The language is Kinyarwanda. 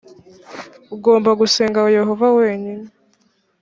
ugomba gusenga yehova wenyine